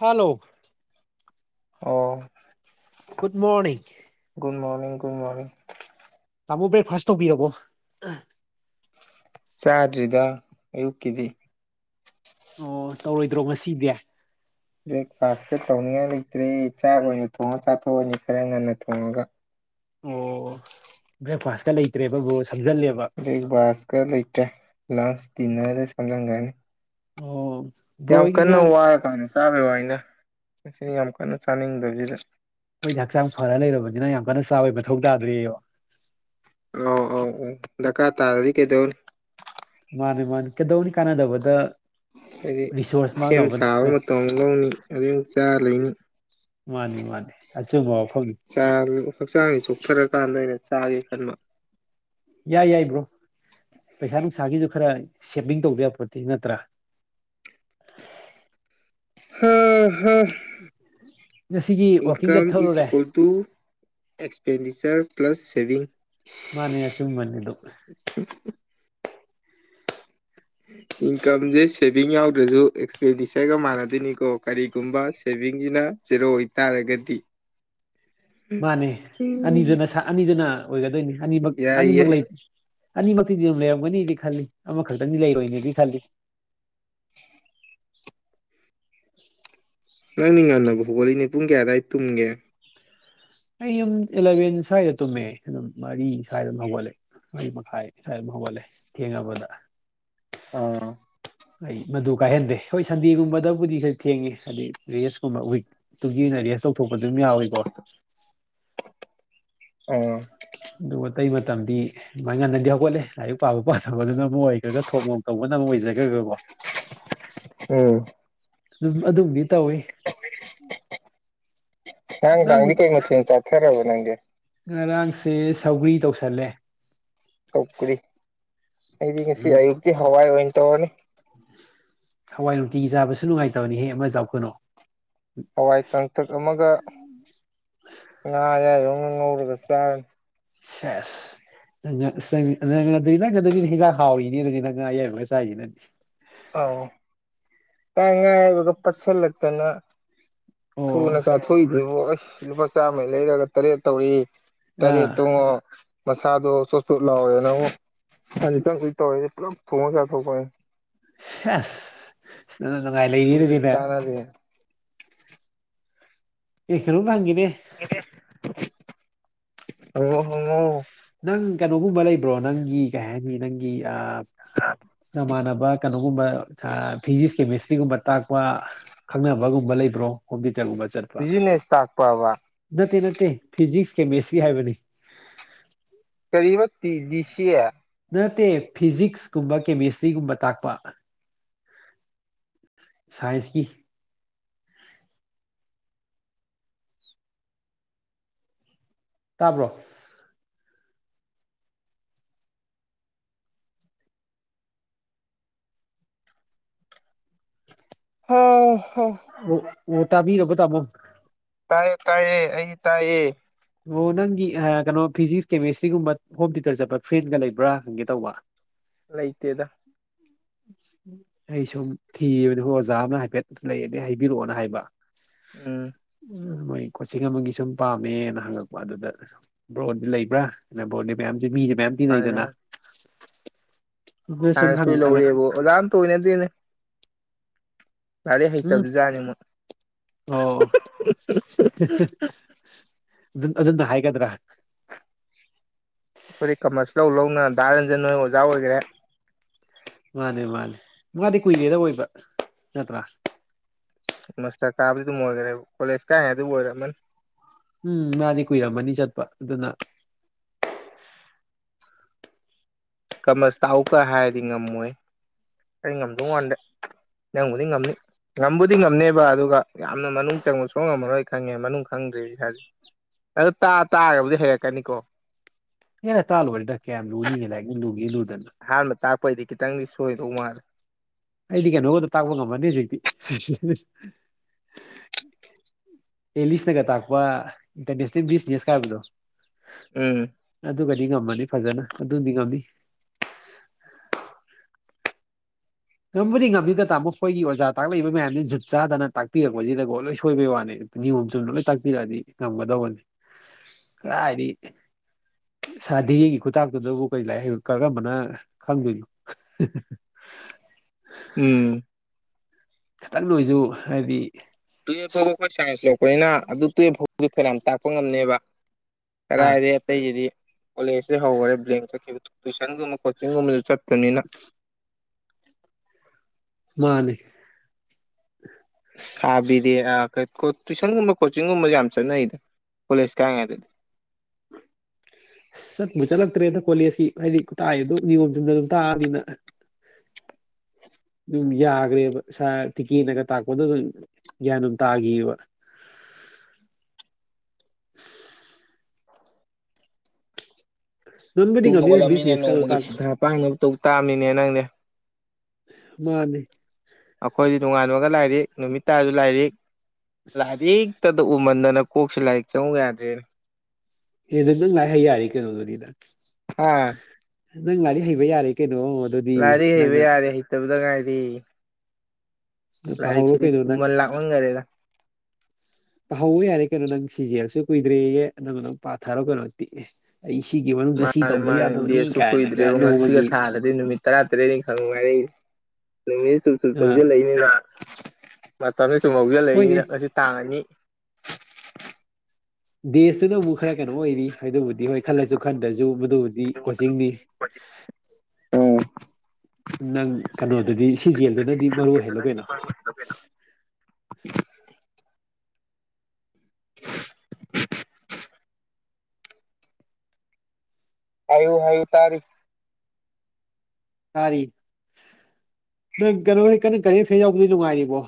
hello ꯑꯣ good morning ꯀꯨꯝꯃꯥꯡ ꯇꯥꯃꯣ ꯕ꯭ꯔꯦꯛꯐꯥꯁ ꯇꯧꯕꯤꯔꯔꯕꯣ ꯆꯗ꯭ꯔꯤꯗ ꯏꯨ ꯀꯗꯤ ꯑꯣ ꯇꯧꯔꯣꯏꯗ꯭ꯔꯣ ꯉꯁꯤꯗꯤ ꯕ꯭ꯔꯦꯛꯐꯥꯁꯀ ꯇꯧꯅꯤꯡꯉꯥꯏ ꯂꯩꯇ꯭ꯔꯦ ꯆꯥꯛ ꯑꯣꯏꯅ ꯊꯣꯡꯉ ꯆꯥꯊꯣꯛꯑꯅꯤ ꯈꯔ ꯉꯟꯅ ꯊꯣꯡꯉꯒ ꯑꯣ ꯕ꯭ꯔꯦꯛꯐꯥꯁꯀ ꯂꯩꯇ꯭ꯔꯦꯕ ꯒ꯭ꯔꯣꯁ ꯂꯩ ꯁꯀꯔ ꯂꯩ ꯂꯟꯁ ꯟꯅꯔ ꯁꯂꯒꯥꯏꯅꯤ ꯑꯣ ꯕ꯭ꯔꯣ ꯌꯥꯝ ꯍꯣꯏꯒꯤ ꯀꯟꯅ ꯉꯔꯥꯡ ꯋꯥꯔꯀꯥꯟꯗ ꯆꯥꯕꯩ ꯋꯥ ꯑꯩꯅ ꯃꯁꯤ ꯌꯥꯝ ꯀꯟꯅ ꯆꯥꯅꯤꯡꯗꯕꯁꯤꯗ ꯑꯩꯈꯣꯏꯗꯤ ꯍꯛꯆꯥꯡ ꯐꯔ ꯂꯩꯔꯕꯅꯤꯅ ꯌꯥꯝ ꯀꯟꯅ ꯆꯥꯎꯥꯋꯦ ꯃꯊꯧ ꯇꯥꯗ꯭ꯔꯤꯑꯕ ꯑ ꯑꯧ ꯑ ꯗꯀꯥ ꯇꯥꯔꯗꯤ ꯀꯩꯗꯧ ꯃꯥꯅꯦ ꯃꯥꯅꯤ ꯀꯩꯗꯧꯅꯤ ꯀꯥꯟꯅꯗꯕꯗ ꯍꯥꯏꯗꯤ ꯔꯤꯁꯣꯔꯁ ꯁꯦꯝ ꯃꯥꯡꯅꯕꯅꯤ ꯁꯥꯕ ꯃꯇ ꯂꯧꯅꯤ ꯑꯗꯨ ꯑꯃꯨꯛ ꯆꯥ ꯂꯩꯅꯤ ꯃꯥꯅꯦ ꯃꯥꯅꯦ ꯑꯆꯨꯝꯕꯥꯎ ꯆ ꯍꯛꯆꯥꯡꯁꯦ ꯆꯣꯛꯊꯔꯀꯥꯟꯗ ꯑꯩꯅ ꯆꯥꯒꯦ ꯈꯟꯕ ꯌꯥꯏ ꯌꯥꯏꯕ꯭ꯔꯣ ꯄꯩꯁꯥ ꯅꯨꯡꯁꯥꯒꯤꯗꯨ ꯈꯔ ꯁꯦꯚꯤꯡ ꯇꯧꯕ ꯌꯥꯕ ꯄꯣꯠꯇꯤ ꯅꯠꯇ꯭ꯔꯥ [inaudible] ꯍꯥꯥ ꯍꯥꯥ ꯉꯁꯤꯒꯤ ꯋꯥꯛꯀꯤꯡ ꯏꯟꯀꯝ ꯏꯁ ꯆꯠꯊꯔꯨꯔꯦ equal to expenditure plus saving ꯃꯥꯅꯦ ꯁꯨꯝꯃꯅꯤꯗꯨ [inaudible] ꯏꯟꯀꯝꯁꯦ ꯁꯦꯚꯤꯡ ꯌꯥꯎꯗ꯭ꯔꯁꯨ ꯑꯦꯛꯁꯄꯦꯟꯗꯤꯆꯔꯒ ꯃꯥꯟꯅꯗꯣꯏꯅꯤꯀꯣ ꯀꯔꯤꯒꯨꯝꯕ ꯁꯦꯚꯤꯡꯁꯤꯅ ꯆꯦꯔꯣꯑꯣ ꯑꯣꯏꯇꯥꯔꯒꯗꯤ [inaudible] ꯃꯥꯅꯦ ꯎꯝ ꯑꯅꯤꯗꯨꯅ ꯑꯅꯤꯗꯨꯅ ꯑꯣꯏꯒꯗꯣꯏꯅꯤ ꯑꯅꯤꯃꯛ ꯌꯥꯏꯌꯦ ꯑꯅꯤꯃꯛ ꯂꯩꯕ ꯑꯅꯤꯃꯛꯇꯤꯗꯤ ꯑꯗꯨꯝ ꯂꯩꯔꯝꯒꯅꯤꯗꯤ ꯈꯜꯂꯤ ꯑꯃꯈꯛꯇꯅꯤ ꯂꯩꯔꯣꯏꯅꯤꯗꯤ ꯈꯜꯂꯤ [inaudible] ꯅꯪꯅꯤ ꯉꯟꯅꯕ ꯍꯧꯒꯠꯂꯤꯏꯅꯦ ꯄꯨꯡ ꯀꯌꯥ ꯑꯋꯥꯏꯗ ꯇꯨꯝꯒꯦ ꯑꯩ ꯑꯗꯨꯝ ꯑꯦꯂꯚꯦꯟ ꯁ꯭ꯋꯥꯏꯗ ꯇꯨꯝꯃꯦ ꯑꯗꯨꯝ ꯃꯔꯤ ꯁ꯭ꯋꯥꯏꯗ ꯍꯧꯒꯠꯂꯦ ꯋꯥꯔꯤ ꯃꯈꯥꯏ ꯁꯥꯏꯒꯠꯂꯦ ꯊꯦꯡꯉꯅꯕꯗ ꯑꯥ ꯑꯩ ꯃꯗꯨ ꯀꯥꯏꯍꯟꯗꯦ ꯍꯣꯏ ꯁꯟꯗꯦꯒꯨꯝꯕꯗꯕꯨꯗꯤ ꯈꯔ ꯊꯦꯡꯉꯦ ꯍꯥꯏꯗꯗꯤ ꯔꯦꯁꯀꯨꯝꯕ ꯋꯤꯛꯇꯨ ꯁ ꯇꯧꯊꯣꯛꯄ ꯑꯗꯨꯝ ꯌꯥꯎꯋꯏꯀꯣ ꯑꯣꯝ ꯑꯗꯨꯒ ꯑꯇꯩ ꯃꯇꯝꯗꯤ ꯃꯥꯏ ꯉꯟꯅꯗꯤ ꯍꯧꯒꯠꯂꯦ ꯂꯥꯏꯔꯤꯛ ꯄꯥꯕ ꯄꯥꯖꯕꯗꯨꯅ ꯑꯃ ꯑꯣꯏꯈ꯭ꯔꯒ ꯊꯣꯡ ꯇꯧꯕꯅ ꯑꯃ ꯑꯣꯏꯖꯒ꯭ꯔ ꯈ ꯑꯣꯏꯣ ꯎꯝ ꯑꯗꯨꯝ ꯑꯗꯨꯕꯨꯗꯤ ꯇꯧꯋꯤ ꯅꯪ ꯅꯪꯂꯤ ꯀꯩ ꯃꯤꯟ ꯆꯠ ꯊꯔꯔꯕꯕ ꯅꯪꯦ ꯉꯔꯥꯡꯁꯦ ꯁꯧꯒ꯭ꯔꯤ ꯇꯧꯁꯜꯂꯦ ꯁꯧꯀꯔꯤ ꯑꯩꯗꯤ ꯉꯁꯤ ꯎꯝ ꯑꯌꯨꯛꯇꯤ ꯍꯋꯥꯏ ꯑꯣꯏꯅ ꯇꯧꯔꯅꯤ ꯍꯋꯥꯏ ꯅꯨꯡꯇꯤ ꯆꯥꯕꯁꯨ ꯅꯨꯡꯉꯥꯏꯇꯕꯅꯤ ꯍꯦꯛ ꯑꯃ ꯆꯥꯎꯈꯠꯅꯣ ꯍꯋꯥꯏ ꯀꯥꯡꯊꯛ ꯑꯃꯒ ꯉ ꯌꯥ ꯌꯅ ꯅ ꯉꯁꯔ ꯁꯦꯁ ꯅꯪꯗꯤ ꯅꯪꯗꯗꯤ ꯍꯤꯗꯥꯛ ꯍꯥꯎꯏꯅꯤ ꯑꯗꯨꯗꯤ ꯅꯪ ꯑꯌꯥꯏꯒ ꯆꯥꯏꯈꯤꯅꯅꯤ ꯑꯥꯎ ꯇꯥꯏ ꯉꯥꯏ ꯒ ꯄꯆꯜ ꯂꯇꯅ ꯑꯣ ꯊꯨꯅ ꯆꯥꯊꯣꯛꯏꯗꯨꯕꯨ ꯑꯩꯁ ꯂꯨꯄꯥ ꯆꯥꯝꯃꯩ ꯂꯩꯔꯒ ꯇꯔꯦꯠ ꯇꯧꯔꯤ ꯇꯔꯦꯠ ꯑꯥ ꯇꯨꯡꯉꯣ ꯃꯁꯥꯗꯣ ꯆꯣꯠ ꯆꯣꯠ ꯂꯥꯎꯋꯦꯅ ꯑꯃꯨꯛ ꯍꯥꯏꯖꯤꯇꯪꯁꯨꯛ ꯇꯧꯋꯦ ꯄꯨꯂꯞ ꯊꯣꯡꯑꯣ ꯆꯥꯊꯣꯛꯄꯅꯤ ꯁꯉꯥꯏ ꯂꯩ ꯁꯤꯗꯤ ꯏꯂ ꯀꯥꯟꯅꯗꯦ ꯐꯁꯔꯕꯨ ꯊꯪꯤ ꯑꯣ ꯍ ꯅꯪ ꯀꯩꯅꯣꯒꯨꯝꯕ ꯂꯩꯕ꯭ꯔꯣ ꯅꯪꯒꯤ ꯀꯩ ꯍꯥꯏꯅꯤ ꯅꯪꯒꯤ ꯅꯃꯥꯟꯅꯕ ꯀꯩꯅꯣꯒꯨꯝꯕ ꯐꯤꯖꯤꯛꯁ ꯀꯦꯃꯤꯁꯇ꯭ꯔꯤꯒꯨꯝꯕ ꯇꯥꯛꯄ ꯈꯪꯅꯕꯒꯨꯝꯕ ꯂꯩ ꯭ꯔꯣ ꯈꯣꯗꯤ ꯆꯪꯒꯨꯝꯕ ꯆꯠꯄ ꯕꯤꯖꯤꯅꯦꯁ ꯇꯥꯛꯄꯕ ꯅꯠꯇꯦ ꯅꯠꯇꯦ ꯐꯤꯖꯤꯛꯁ ꯀꯦꯃꯦꯁꯇ꯭ꯔꯤ ꯍꯥꯏꯕꯅꯤ ꯀꯔꯤꯕ ꯇꯤꯁꯤꯦ ꯅꯠꯇꯦ ꯐꯤꯖꯤꯛꯁꯀꯨꯝꯕ ꯀꯦꯃꯤꯁꯇ꯭ꯔꯤꯒꯨꯝꯕ ꯇꯥꯛꯄ ꯁꯥꯏꯁꯀꯤ ꯇꯥꯕ꯭ꯔꯣ ꯍꯥ ꯑꯣ ꯑꯣ ꯇꯥꯕꯤꯔ ꯇꯃꯣ ꯇꯥꯏꯌꯦ ꯇꯥꯏꯌꯦ ꯑꯩ ꯇꯥꯏꯌꯦ ꯑꯣ ꯅꯪꯒꯤ ꯀꯩꯅꯣ ꯐꯤꯖꯤꯛꯁ ꯀꯦꯃꯦꯁꯇ꯭ꯔꯤꯒꯨꯝꯕ ꯍꯣꯝ ꯇꯌꯨꯇꯔ ꯆꯠꯄ ꯐ꯭ꯔꯦꯟꯒ ꯂꯩꯕ꯭ꯔꯥ ꯈꯪꯒꯦ ꯇꯧꯕ ꯂꯩꯇꯦꯗ ꯑꯩ ꯁꯨꯝ ꯊꯤꯕꯅꯤ ꯍꯣꯏ ꯑꯣꯖꯥ ꯑꯃꯅ ꯍꯥꯏꯐꯦꯠ ꯂꯩꯅꯦ ꯍꯥꯏꯕꯤꯔꯛꯑꯣꯅ ꯍꯥꯏꯕ ꯎꯝ ꯃꯣꯏ ꯀꯣꯆꯤꯡ ꯑꯃꯒꯤ ꯁꯨꯝ ꯄꯥꯝꯃꯦꯅ ꯍꯪꯉꯛꯄ ꯑꯗꯨꯗ ꯕ꯭ꯔꯣꯔꯗꯗꯤ ꯂꯩꯕ꯭ꯔꯥ ꯑꯅ ꯕ꯭ꯔꯣꯔꯗꯗꯤ ꯃꯌꯥꯝ ꯑ ꯃꯤꯁꯦ ꯃꯌꯥꯝ ꯃꯥꯅꯦ ꯇꯤꯟꯅꯩꯗꯅ ꯑꯗꯨ ꯁꯨꯝ ꯍꯪ ꯁꯥꯏꯁꯄꯤ ꯍꯪꯉꯛ ꯂꯧꯔꯤꯕ ꯑꯗꯨꯝ ꯊꯧꯅꯦ ꯑꯗꯨꯅꯦ ꯂꯥꯏꯔꯤꯛ ꯎꯝ ꯍꯩꯇꯕꯖꯥꯠꯅꯦ ꯃꯣꯏ ꯑꯣ ꯑꯗꯨꯝ ꯑꯗꯨꯝꯅ ꯍꯥꯏꯒꯗꯔ ꯑꯩꯈꯣꯏꯗꯤ ꯀꯥꯃꯔꯁ ꯂꯧ ꯂꯧꯅ ꯗꯥ ꯔꯟꯖꯟ ꯍꯣꯏ ꯑꯣꯖꯥ ꯑꯣꯏꯒꯥꯔꯦ ꯃꯥꯅꯦ ꯃꯥꯅꯦ ꯃꯥꯗꯤ ꯀꯨꯏꯔꯦꯗ ꯑꯣꯏꯕ ꯅꯠꯇ꯭ꯔꯥ ꯃꯥꯁꯇꯔ ꯀꯥꯕꯗꯩ ꯑꯗꯨꯝ ꯑꯣꯏꯒꯔꯦꯕ ꯀꯣꯂꯦꯖ ꯀꯥꯏꯀꯥꯟꯗꯒꯤꯕꯨ ꯑꯣꯏꯔꯝꯃꯥꯅꯤ ꯎꯝ ꯃꯥꯗꯤ ꯀꯨꯏꯔꯝꯃꯅꯤ ꯆꯠꯄ ꯑꯗꯨꯅ ꯀꯥꯃꯁ ꯇꯥꯛꯎꯒ ꯍꯥꯏꯔꯗꯤ ꯉꯝꯃꯣꯏꯍꯦ ꯑꯩ ꯉꯝꯗꯧ ꯃꯥꯟꯗꯦ ꯅꯪꯕꯨꯗꯤ ꯉꯝꯅꯤ ꯉꯝꯕꯨꯗꯤ ꯉꯝꯅꯤꯕ ꯑꯗꯨꯒ ꯌꯥꯝꯅ ꯃꯅꯨꯡ ꯆꯪꯕ ꯁꯨꯡꯉꯝ ꯉꯝꯃꯥꯔꯣꯏ ꯈꯪꯉꯦ ꯃꯅꯨꯡ ꯈꯪ ꯈꯪꯗꯦꯕ ꯏꯁꯥꯖꯦ ꯑꯗꯨ ꯇꯥꯛꯑ-ꯇꯥꯛꯑꯕꯨꯗꯤ ꯍꯩꯔꯛꯀꯅꯤꯀꯣ ꯍꯦꯔꯥ ꯇꯥꯂꯛꯑ ꯂꯣꯏꯔꯦꯗ ꯀꯌꯥꯝ ꯂꯨꯅꯤꯒꯦ ꯂꯥꯏꯔꯤꯛꯅ ꯂꯨꯒꯦ ꯂꯨꯔꯥꯗꯅ ꯑꯍꯥꯟꯕ ꯇꯥꯛꯄꯩꯗꯤ ꯈꯤꯇꯪꯗꯤ ꯁꯣꯏꯗꯧ ꯃꯥꯜꯂꯦ ꯑꯩꯗꯤ ꯀꯩꯅꯣꯒꯗꯣ ꯇꯥꯛꯄ ꯉꯝꯃꯅꯤ ꯍꯧꯖꯤꯛꯇꯤ ꯑꯦꯂꯤꯁꯅꯒ ꯇꯥꯛꯄ ꯏꯟꯇ꯭ꯔꯅꯦꯁꯅꯦꯜ ꯕꯤꯖꯤꯅꯦꯁ ꯀꯥ ꯍꯥꯏꯕꯗꯣ ꯎꯝ ꯗꯤ ꯉꯝꯃꯅꯤ ꯐꯖꯅ ꯑꯗꯨꯃꯗꯤ ꯉꯝꯃꯅꯤ ꯉꯝꯕꯨꯗꯤ ꯉꯝꯅꯤꯗ ꯇꯥꯃꯣ ꯑꯩꯈꯣꯏꯒꯤ ꯑꯣꯖꯥ ꯇꯥꯛꯂꯛꯏꯕ ꯃꯌꯥꯝꯁꯤꯅ ꯖꯨꯠ ꯆꯥꯗꯅ ꯇꯥꯛꯄꯤꯔꯛꯄꯁꯤꯗꯀꯣ ꯂꯣꯏ ꯁꯣꯏꯕꯩ ꯋꯥꯅꯦ ꯅꯤꯌꯣꯝ ꯆꯨꯝꯅ ꯂꯣꯏ ꯇꯥꯛꯄꯤꯔꯛꯑꯗꯤ ꯉꯝꯒꯗꯧꯕꯅꯦ ꯀꯗꯥꯏꯗꯒꯤ ꯁꯥꯔ ꯙꯤꯔꯦꯟꯒꯤ ꯈꯨꯇꯥꯛꯇꯨꯗꯕꯨ ꯀꯔꯤ ꯂꯥꯏꯔꯤꯛ ꯍꯩꯕ ꯀꯔꯝꯕꯅ ꯈꯪꯗꯣꯏꯅꯣ ꯎꯝ ꯈꯤꯇꯪ ꯗ ꯑꯣꯏꯁꯨ ꯍꯥꯏꯗꯤ ꯇꯨꯌꯦꯐ ꯐꯥꯎꯕ ꯑꯩꯈꯣꯏ ꯁꯥꯏꯟꯁ ꯂꯧꯔꯛꯄꯅꯤꯅ ꯑꯗꯨ ꯇꯨꯌꯦꯐ ꯐꯥꯎꯕꯗꯤ ꯐꯅꯥꯌꯥꯝ ꯇꯥꯛꯄ ꯉꯝꯅꯤꯕ ꯑꯥ ꯀꯔꯥꯏꯗꯩ ꯑꯇꯩꯁꯤꯗꯤ ꯀꯣꯂꯦꯖꯇꯩ ꯍꯧꯒꯔꯦ ꯕ꯭ꯂꯦꯡ ꯆꯠꯈꯤꯕ ꯇꯨꯏꯁꯟꯒꯨꯝꯕ ꯀꯣꯆꯤꯡꯒꯨꯝꯕꯁꯨ ꯆꯠꯇꯃꯤꯅ ꯃꯥꯅꯦ ꯁꯥꯔ ꯕꯤꯔꯦꯟ ꯑ ꯇꯨꯏꯁꯟꯒꯨꯝꯕ ꯀꯣꯆꯤꯡꯒꯨꯝꯕ ꯌꯥꯝ ꯆꯠꯅꯩꯗ ꯀꯣꯂꯦꯖ ꯀꯥꯔꯤꯉꯩꯗꯗꯤ ꯑꯁ ꯆꯠꯄꯨ ꯆꯠꯂꯛꯇ꯭ꯔꯦꯗ ꯀꯣꯂꯦꯖꯀꯤ ꯍꯥꯏꯗꯤ ꯇꯥꯛꯏꯗꯣ ꯅꯤꯌꯣꯝ ꯆꯨꯝꯅ ꯑꯗꯨꯝ ꯇꯥꯛꯑꯃꯤꯅ ꯑꯗꯨꯝ ꯌꯥꯒ꯭ꯔꯦꯕ ꯁꯥꯔ ꯇꯤꯀꯦꯟꯅꯒ ꯇꯥꯛꯄꯗꯣ ꯑꯗꯨꯝ ꯒ꯭ꯌꯥꯟ ꯑꯗꯨꯝ ꯇꯥꯈꯤꯕ [unintelligible] ꯉꯝꯕꯨꯗꯤ ꯇꯨꯝꯕ ꯉꯝꯅꯤꯗ ꯍꯧꯒꯠꯂꯥꯃꯤꯅ ꯕꯤꯖꯤꯅꯦꯁꯀꯗꯣ ꯅꯣꯡꯃꯒꯤ ꯇꯥꯛ ꯁꯤꯟꯊꯥ ꯄꯥꯡꯅꯕ ꯇꯧ ꯇꯥꯃꯤꯅꯦ ꯅꯪꯗꯤ ꯃꯥꯅꯦ ꯅꯣꯛꯉꯥꯜꯂꯒ ꯂꯥꯏꯔꯤꯛ ꯅꯨꯃꯤꯠ ꯇꯥꯔꯁꯨ ꯂꯥꯏꯔꯤꯛ ꯂꯥꯏꯔꯤꯛ ꯇꯗ ꯎꯃꯟꯗꯅ ꯀꯣꯛꯁꯦ ꯂꯥꯏꯔꯤꯛ ꯆꯪꯉꯨ ꯌꯥꯗ꯭ꯔꯦꯅꯦ ꯑꯦꯗ ꯅꯪ ꯂꯥꯏꯔꯤꯛ ꯍꯩ ꯌꯥꯔꯦ ꯀꯩꯅꯣꯗꯨꯗꯤ ꯍꯥ ꯅꯪ ꯂꯥꯏꯔꯤꯛ ꯍꯩꯕ ꯌꯥꯔꯦ ꯀꯩꯅꯣ ꯑꯗꯨꯗꯤ ꯂꯥꯏꯔꯤꯛ ꯍꯩꯕ ꯅꯪꯅ ꯌꯥꯔꯦ ꯍꯩꯇꯕꯗ ꯉꯥꯏꯔꯦ ꯄꯥꯍꯧꯔꯣ ꯂꯥꯏꯔꯤꯛꯁꯤꯗꯤ ꯀꯩꯅꯣ ꯅꯪ ꯄꯨꯃꯜ ꯂꯥꯛꯃꯜꯒꯥꯔꯦꯗ ꯄꯥꯍꯧꯕ ꯌꯥꯔꯦ ꯀꯩꯅꯣ ꯅꯪ ꯁꯤ ꯖꯤ ꯑꯦꯜꯁꯨ ꯀꯨꯏꯗ꯭ꯔꯦꯌꯦ ꯅꯪ ꯑꯗꯨꯝ ꯄꯥꯊꯔꯣ ꯀꯩꯅꯣ ꯑꯗꯨꯗꯤ ꯑꯩ ꯁꯤꯒꯤ ꯃꯅꯨꯡꯗ ꯁꯤ ꯃꯥꯅꯦ ꯇꯧꯗ ꯃꯥꯅꯦ ꯌꯥꯗꯕꯅꯤ ꯗꯦꯁꯁꯨ ꯀꯥꯏꯅꯒ ꯀꯨꯏꯗ꯭ꯔꯦꯕ ꯉꯁꯤꯒ ꯅꯣꯡꯃꯒꯤ [inaudible] [unintelligible] ꯊꯥꯗꯗꯤ ꯅꯨꯃꯤꯠ ꯇꯔꯥ ꯇꯔꯦꯠꯅꯤ ꯈꯪ ꯉꯥꯏꯔꯛꯏ ꯅꯨꯃꯤꯠ ꯁꯨꯝ ꯁꯨꯝ ꯑ ꯆꯪꯖꯤꯜꯂꯛꯏꯃꯤꯅ ꯃꯇꯝꯁꯤ ꯁꯨꯝ ꯍꯣꯏꯅꯦ ꯍꯧꯖꯜꯂꯛꯏꯃꯤꯅ ꯉꯁꯤ ꯇꯥꯡ ꯑꯅꯤ ꯗꯦꯁꯇꯨꯅꯕꯨ ꯈꯔ ꯀꯩꯅꯣ ꯑꯣꯏꯔꯤ ꯍꯥꯏꯕꯕꯨꯗꯤ ꯗꯤ ꯍꯣꯏ ꯈꯜꯂꯁꯨ ꯈꯟꯗ꯭ꯔꯁꯨ ꯃꯗꯨꯕꯨꯗꯤ ꯀꯣꯆꯤꯡꯅꯤ ꯎꯝ ꯅꯪ ꯀꯩꯅꯣꯗꯨꯗꯤ ꯁꯤꯖꯤꯑꯦꯜꯗꯨꯅꯗꯤ ꯃꯔꯨ ꯑꯣꯏ ꯍꯜꯂꯣ ꯀꯩꯅꯣ [unintelligible] [unintelligible] ꯍꯥꯏꯌꯨ ꯍꯥꯏꯌꯨ ꯇꯥꯔꯤ ꯇꯥꯔꯤ ꯅꯪ ꯀꯩꯅꯣ ꯀꯟꯅ ꯀꯥꯔꯦꯟ ꯑꯦꯐꯤꯌꯥꯔ ꯌꯥꯎꯕꯗꯣ ꯅꯨꯡꯉꯥꯏꯔꯤꯕꯣ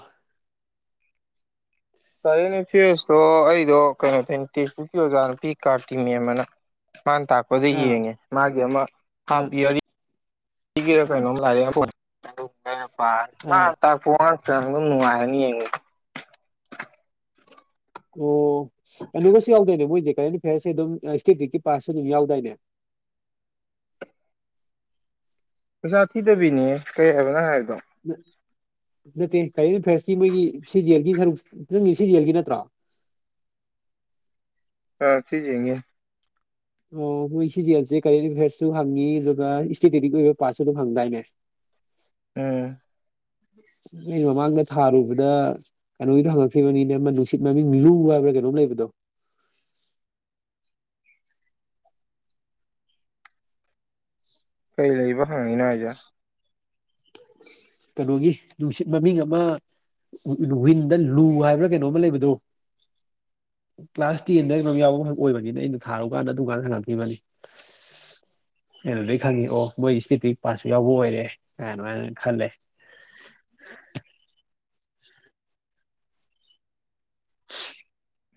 ꯀꯥꯔꯦꯟ ꯑꯦꯐꯤꯌ꯭ꯔꯁꯇꯣ ꯑꯩꯗꯣ ꯀꯩꯅꯣꯗꯩꯅꯦ ꯇꯦꯛꯁꯕꯨꯛꯀꯤ ꯑꯣꯖꯥ ꯅꯨꯄꯤ ꯀꯥꯔꯇꯤ ꯃꯦꯝ ꯑꯥꯅ ꯃꯥꯅ ꯇꯥꯛꯄꯗ ꯑꯥ ꯌꯦꯡꯉꯦ ꯃꯥꯒꯤ ꯑꯃ ꯍꯥꯞ ꯑꯥ ꯏꯌꯥꯔꯤ ꯀꯔꯣꯅꯣ ꯂꯔꯤꯣ ꯑꯥ ꯇ ꯀ ꯅꯨꯡꯉꯅꯤ ꯌꯦ ꯑꯣ ꯑꯅ ꯀ ꯁꯤꯥꯎꯗꯅꯦ ꯃꯣꯏꯦ ꯀꯔꯦꯟ ꯐꯤꯌꯥꯔꯁꯦ ꯑꯗꯨꯝ ꯏꯁꯇꯦꯇꯤꯛꯀꯤ ꯄꯥꯁꯁꯨ ꯑꯗꯨꯝ ꯌꯥꯎꯗꯥꯏꯅꯦ ꯄꯩꯁꯥ ꯊꯤꯗꯕꯤꯅꯤ ꯀꯔꯤ ꯍꯥꯏꯕꯅꯣ ꯍꯥꯏꯕꯗꯣ ꯑ [unintelligible] [inaudible] ꯅꯠꯇꯦ ꯀꯔꯤ ꯐꯔ ꯁꯤ ꯃꯣꯏꯒꯤ ꯁꯤ ꯖꯦꯜꯒꯤ ꯁꯔꯨꯛ ꯈꯤꯪ ꯁꯤ ꯖꯦꯜꯒꯤ ꯅꯠꯇ꯭ꯔꯥ [unintelligible] [inaudible] ꯑ ꯊꯤꯖꯒꯦ ꯑꯣ ꯃꯣꯏ ꯁꯤꯖꯦꯜꯁꯦ ꯀꯔꯤ ꯐꯦꯠꯁꯨ ꯍꯪꯉꯤ ꯑꯗꯨꯒ ꯏꯁꯇꯦꯇꯦꯇꯤꯛ ꯑꯣꯏꯕ ꯄꯥꯔꯠꯁꯨ ꯑꯗꯨꯝ ꯍꯪꯗꯥꯏꯅꯦ [unintelligible] [inaudible] ꯎꯝ ꯅ ꯃꯃꯥꯡꯗ ꯊꯥꯔꯨꯕꯗ ꯀꯩꯅꯣꯒꯤ ꯍꯪꯉꯛꯈꯤꯕꯅꯤꯅ ꯑꯃ ꯅꯨꯡꯁꯤꯠ ꯃꯃꯤꯡ ꯂꯨ ꯀꯩꯅꯝ ꯂꯩꯕꯗꯣ [unintelligible] [inaudible] ꯀꯩ ꯂꯩꯕ ꯍꯪꯉꯤꯅꯣ ꯑꯩꯖ ꯀꯩꯅꯣꯒꯤ ꯅꯨꯡꯁꯤꯠ ꯃꯃꯤꯡ ꯑꯃ ꯋꯤꯟꯗ ꯂꯨ ꯍꯥꯏꯕ꯭ꯔꯥ ꯀꯩꯅꯣꯝꯃ ꯂꯩꯕꯗꯨꯣ ꯀ꯭ꯂꯥꯁ ꯇꯦꯟꯗꯩꯅꯝ ꯌꯥꯎꯕꯈꯛ ꯑꯣꯏꯕꯅꯤꯅ ꯑꯩꯅꯣ ꯊꯥꯔꯨ ꯀꯥꯟꯗ ꯑꯗꯨꯝꯀꯥꯟ ꯍꯪꯉꯛꯈꯤꯕꯅꯤ ꯀꯩꯅꯗꯗꯒꯤ ꯈꯪꯉꯤ ꯑꯣ ꯃꯣꯏ ꯏꯁꯇꯤꯇꯤ ꯄꯥꯠꯁꯨ ꯌꯥꯎꯕ ꯑꯣꯏꯔꯦ ꯀ ꯑꯗꯨꯃꯥꯏꯅ ꯈꯜꯂꯦ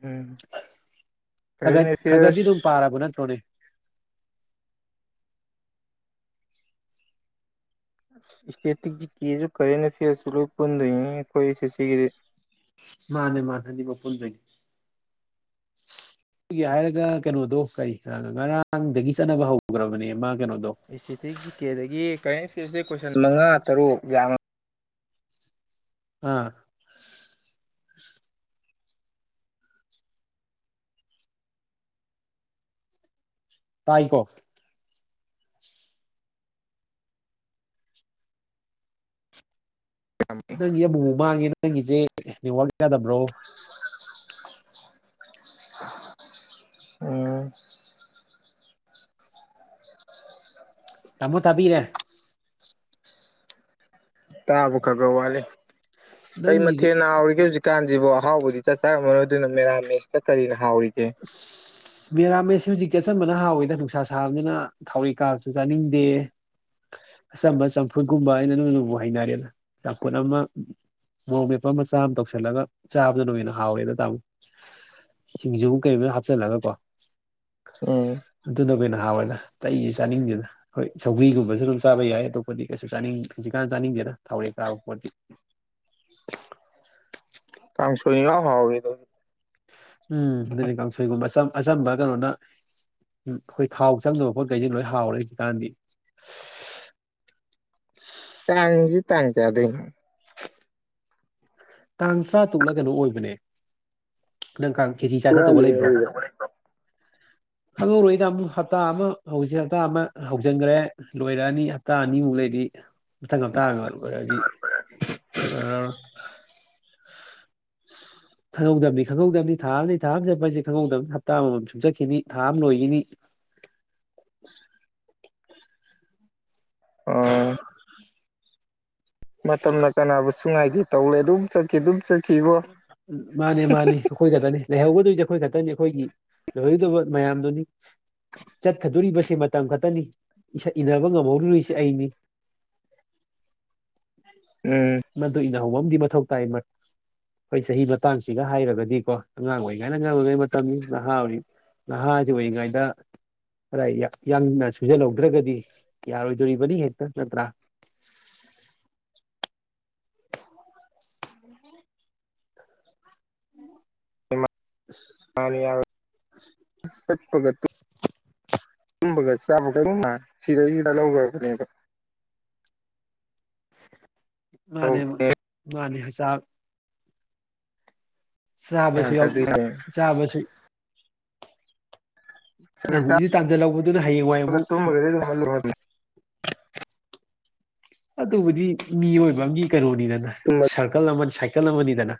ꯎꯝ ꯀꯔꯦꯟ ꯈꯠ ꯈꯒꯠꯗꯤ ꯑꯗꯨꯝ ꯑꯦꯐꯤꯌꯔꯁ ꯄꯥꯔꯕ ꯅꯠꯇ꯭ꯔꯅꯦ ꯏꯁꯇꯦꯇꯤꯛꯁꯤꯖꯤ ꯀꯁꯨ ꯀꯔꯤꯦꯅ ꯐꯤꯦꯔꯁꯤ ꯄꯨꯟꯗꯣꯏꯏ ꯑꯩꯈꯣꯏꯁ ꯁꯤꯒꯤ ꯃꯥꯅꯦ ꯃꯥꯅꯦ ꯍꯥꯏꯗꯤ ꯃꯄꯨꯟꯗꯒꯤ ꯑꯩꯒꯤ ꯍꯥꯏꯔꯒ ꯀꯩꯅꯣꯗꯣ ꯀꯔꯤ ꯉꯔꯥꯡꯗꯒꯤ ꯆꯠꯅꯕ ꯍꯧꯈ꯭ꯔꯕꯅꯦ ꯃꯥ ꯀꯩꯅꯣꯗꯣ ꯑꯦꯁꯦꯇꯤꯛ ꯖꯤ ꯀꯦꯗꯒꯤ ꯀꯔꯦꯟ ꯑꯦꯐꯤꯌꯔꯁꯁꯦ ꯀꯣꯏꯁꯟ ꯃꯉꯥ ꯇꯔꯨꯛ ꯌꯥꯝꯉ ꯑꯥ ꯇꯥꯏꯀꯣ ꯅꯪꯒꯤ ꯑꯃꯨꯛ ꯃꯥꯡꯉꯦ ꯅꯪꯒꯤꯁꯦ ꯅꯦꯠꯋꯥꯛ ꯌꯥꯗꯕ꯭ꯔꯣ ꯎꯝ ꯇꯃꯣ ꯇꯕꯤꯔꯦ ꯇꯔꯥꯕ ꯀꯒ ꯋꯥꯦ ꯀꯩ ꯅꯪꯒꯤꯗꯤ ꯃꯊꯦꯜ ꯍꯥꯎꯔꯤꯒꯦ ꯍꯧꯖꯤꯛꯀꯥꯟꯁꯤꯕꯨꯣ ꯑꯍꯥꯎꯕꯗꯤ ꯆꯥꯛ ꯆꯥꯔꯝꯃꯅꯣꯏ ꯑꯗꯨꯅ ꯃꯦꯔꯥꯃꯦꯁꯇ ꯀꯔꯤꯅꯣ ꯃꯔ ꯑꯃ [unintelligible] [inaudible] ꯁꯤ ꯍꯧꯖꯤꯛꯇꯤ ꯑꯆꯝꯕꯅ ꯍꯥꯎꯋꯦꯗ ꯅꯨꯡꯁꯥ ꯁꯥꯕꯅꯤꯅ ꯊꯥꯎꯔꯤꯩ ꯀꯥꯁꯨ ꯆꯥꯅꯤꯡꯗꯦ ꯑꯆꯝꯕ ꯆꯝꯐꯨꯠꯀꯨꯝꯕ ꯑꯩꯅ ꯅꯨ ꯅꯕꯨ ꯍꯩꯅꯔꯦꯅ ꯆꯝꯐꯨꯠ ꯑꯃ ꯃꯣꯔꯣꯛ ꯃꯦꯞꯄ ꯃꯆꯥ ꯑꯃ ꯇꯧꯁꯤꯜꯂꯒ ꯆꯥꯕꯗ ꯅ ꯑꯣꯏꯅ ꯍꯥꯎꯋꯦꯗ ꯇꯥꯃꯣ ꯁꯤꯡꯖꯨ ꯀꯩ ꯍꯥꯞꯆꯤꯜꯂꯒ ꯀꯣ ꯎꯝ ꯑꯗꯨ ꯅ ꯀꯩꯅꯣ ꯅꯍꯥꯋꯥꯏꯗ ꯆꯩꯁ ꯆꯥꯅꯤꯡꯁꯤꯗꯅ ꯍꯣꯏ ꯁꯧ꯭ꯔꯤꯒꯨꯝꯕꯁꯨ ꯑꯗꯨꯝ ꯆꯥꯕ ꯌꯥꯏ ꯑꯇꯣꯞꯄꯗꯤ ꯀꯩꯁꯨ ꯆꯥꯅꯤꯡ ꯍꯧꯖꯤꯛꯀꯥꯟꯅ ꯆꯥꯅꯤꯡꯗꯦ ꯩꯅ ꯊꯥꯎꯔ ꯇꯥꯕ ꯄꯣꯗꯤ ꯀꯥꯡꯁꯨꯅꯤ ꯂ ꯍꯥꯎꯗ ꯎꯝ ꯑꯗꯨꯗꯤ ꯀꯥꯡꯁꯣꯏꯒꯨꯝꯕ ꯑꯆꯝꯕ ꯀꯩꯅꯣꯅ ꯎꯝ ꯑꯩꯈꯣꯏ ꯈꯥꯎ ꯆꯪꯗꯕ ꯄꯣꯠ ꯀꯩꯁꯦ ꯂꯣꯏ ꯍꯥꯎꯔꯦ ꯍꯧꯖꯤꯛ ꯀꯥꯟꯗꯤ ꯇꯥꯡꯖ ꯇꯥꯡꯖꯗ ꯇꯥꯡ ꯇꯔꯥ ꯇꯨꯛꯂ ꯀꯩꯅꯣ ꯑꯣꯏꯕꯅꯦ ꯅꯪ ꯀꯥꯡ ꯀꯦꯖꯤ ꯆꯥꯔꯖ ꯇꯧꯕ ꯂꯩꯕ꯭ꯔꯣ ꯈꯪꯍꯧꯔꯣꯏ ꯏꯗꯃꯨꯛ ꯍꯞꯇꯥ ꯑꯃ ꯍꯧꯖꯤꯛꯦ ꯍꯞꯇꯥ ꯑꯃ ꯍꯧꯖꯤꯟꯈ꯭ꯔꯦ ꯂꯣꯏꯔꯛꯑꯅꯤ ꯍꯞꯇꯥ ꯑꯅꯤꯃꯨꯛ ꯂꯩ ꯑꯗꯇꯩꯗꯤ ꯃꯊꯪ ꯉꯞꯇꯥꯗꯤ [unintelligible] [inaudible] ꯈꯪꯍꯧꯗꯕꯅꯤ ꯈꯪꯍꯧꯗꯕꯅꯤ ꯊꯥ ꯑꯃꯅꯤ ꯊꯥ ꯑꯃ ꯆꯠꯄ ꯍꯥꯏꯁꯦ ꯈꯪꯍꯧꯗꯕꯅꯤ ꯍꯞꯇꯥ ꯑꯃꯃꯝ ꯁꯨꯡꯆꯠꯈꯤꯅꯤ ꯊꯥ ꯑꯃ ꯂꯣꯏꯈꯤꯅꯤ [unintelligible] [inaudible] ꯎ [unintelligible] ꯃꯇꯝꯅ ꯀꯅꯥꯕꯨꯁꯨ ꯉꯥꯏꯗꯦ ꯇꯧꯔꯦ ꯑꯗꯨꯝ ꯆꯠꯈꯤ ꯑꯗꯨꯝ ꯆꯠ ꯎ ꯃꯥꯅꯤ ꯃꯥꯅꯤ ꯑꯩꯈꯣꯏ ꯆꯠꯂꯅꯤ ꯂꯩꯍꯧꯒꯗꯣꯏ ꯑꯩꯈꯣꯏ ꯈꯛꯇꯅꯤ ꯑꯩꯈꯣꯏꯒꯤ ꯂꯩꯣꯏꯍꯧꯣꯏꯗꯕ ꯃꯌꯥꯝꯗꯨꯅꯤ ꯆꯠꯀꯗꯣꯔꯤꯕ ꯁꯤ ꯃꯇꯝ ꯈꯛꯇꯅꯤ ꯏꯟꯅꯕ ꯉꯝꯍꯧꯔꯨꯔꯤꯁꯦ ꯑꯩꯅꯤ ꯎꯝ ꯅꯍꯧꯕꯝꯒꯤ ꯃꯊꯧ ꯇꯥꯏ ꯍꯈꯣꯏ ꯆꯍꯤ ꯃꯇꯥꯡꯁꯤꯒ ꯍꯥꯏꯔꯒꯗꯤꯀꯣ ꯑꯉꯥꯡ ꯑꯣꯏꯔꯤꯉꯥꯏꯅ ꯉꯥꯡ ꯑꯣꯏꯔꯤꯉꯩ ꯃꯇꯝꯅꯤ ꯅꯍꯥ ꯑꯣꯏꯔꯤ ꯍꯗꯤꯕꯨ ꯏꯒꯗ ꯈꯔ ꯌꯥꯡꯅ ꯁꯨꯖꯜꯍꯧꯗ꯭ꯔꯒꯗꯤ ꯌꯥꯔꯣꯏꯗꯣꯔꯤꯕꯅꯤ ꯍꯦꯛꯇ ꯅꯠꯇ꯭ꯔꯥ [unintelligible] ꯁꯠꯄꯒꯠꯇꯨ [unintelligible] ꯆꯄ ꯀ ꯁꯤꯗꯥ ꯆꯗꯥ ꯂꯧꯕꯒ ꯃꯥꯅꯦ ꯃꯥꯅꯦ ꯃꯥꯅꯦ ꯁꯥꯥ ꯆꯥꯕꯁꯨ ꯌꯥꯎ ꯆꯥꯕꯒ ꯆꯥꯕꯁꯨ ꯅꯪ ꯍꯧꯖꯤꯛ ꯇꯥꯟꯁꯤꯜꯍꯧꯕꯗꯨꯅ ꯍꯌꯦꯡ ꯋꯥꯏꯕꯨ ꯇꯨꯝꯕꯒꯗꯤ ꯑꯗꯨꯝ ꯑꯗꯨꯕꯨꯗꯤ ꯃꯤꯑꯣꯏꯕ ꯑꯃꯒꯤ ꯀꯩꯅꯣꯅꯤꯗꯅ ꯁꯥꯔꯀꯜ ꯑꯃ ꯀꯂꯝꯣ ꯃꯅꯤꯗꯅ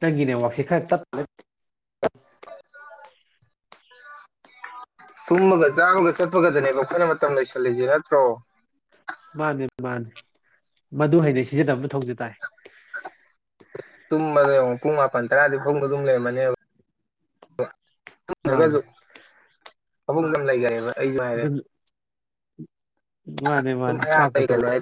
ꯅꯪꯒꯤꯅꯦꯋꯥꯛꯁꯦ ꯈꯔ ꯆ [unintelligible] ꯇꯨꯝꯃꯒ ꯆꯥꯝꯃꯒ ꯆꯠꯄꯒꯗꯅꯦꯕ ꯑꯩꯈꯣꯏꯅ ꯃꯇꯝ ꯂꯣꯏꯁꯤꯜꯂꯤꯁꯦ ꯅꯠꯇ꯭ꯔꯣ ꯃꯥꯅꯦ ꯃꯥꯅꯤ ꯃꯗꯨ ꯍꯥꯏꯩꯅꯩ ꯁꯤꯖꯤꯟꯅꯕꯊꯧꯁ ꯇꯥꯏ ꯇꯨꯝꯕꯗ ꯌꯦꯡꯉ ꯄꯨꯡ ꯃꯥꯄꯟ ꯇꯔꯥꯗꯤ ꯐꯨꯡꯕ ꯑꯗꯨꯝ ꯂꯩꯔꯝꯃꯅꯦꯕ ꯃꯥꯅꯦ ꯍꯛ ꯀꯝ ꯂꯒ ꯑꯩꯥꯏꯔꯦ ꯑꯗꯨ ꯃꯥꯅꯦ ꯃꯥꯅꯦ ꯑꯌꯥꯝꯕ ꯁꯥꯀꯨ ꯇ ꯂꯩꯒꯜꯂꯦ ꯍꯥꯏ